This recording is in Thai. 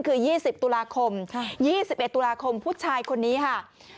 คือ๒๐ตุลาคม๒๑ตุลาคมผู้ชายคนนี้ค่ะ